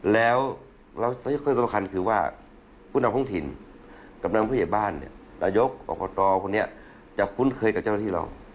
แล้วคือค่อยสำคัญคือว่าคุณนำท่องถิ่นคุณนำผู้ใหญ่บ้านนายกออกประตอบคุณนี้จะคุ้นเคยกับเจ้าหน้าที่เรา